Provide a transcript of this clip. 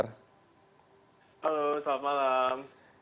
halo selamat malam